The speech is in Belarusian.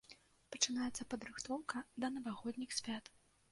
Пачынаецца падрыхтоўка да навагодніх свят.